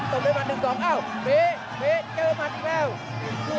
ต้มด้วยมัน๑๒อ้าวเฟ้เฟ้เติบมันอีกแล้ว